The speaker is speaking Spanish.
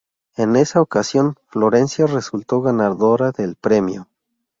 En esa ocasión, Florencia resultó ganadora del premio.